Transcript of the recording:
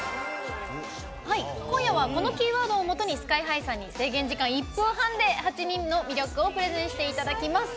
今夜はこのキーワードをもとにＳＫＹ‐ＨＩさんに制限時間１分半で８人の魅力をプレゼンしていただきます。